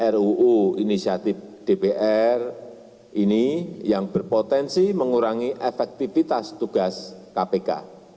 ruu inisiatif dpr ini yang berpotensi mengurangi efektivitas tugas kpk